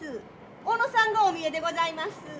小野さんがお見えでございます。